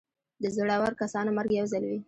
د زړور کسانو مرګ یو ځل وي.